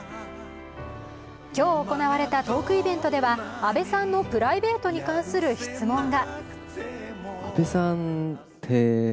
今日行われたトークイベントでは、阿部さんのプライベートに関する質問が。